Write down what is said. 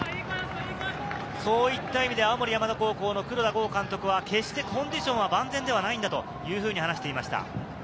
そういった意味で青森山田高校の黒田剛監督は、決してコンディションは万全ではないというふうに話していました。